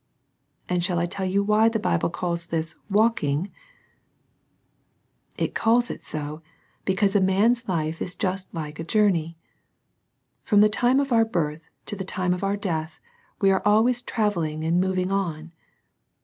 And shall I tell you why the Bible calls this ^^ walking V It calls it so, because a man's life is just like a journey. From the time of our birth to the time of our death, we are always travelling and moving on.